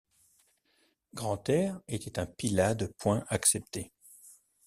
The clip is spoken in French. Grantaire était un Pylade point accepté.